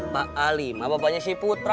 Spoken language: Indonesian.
pak ali mah bapaknya si putra